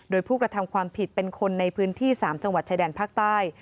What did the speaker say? โดยผู้กระทำความผิดเป็นคนในพื้นที่๓จังหวัดชายแดนภาคใต้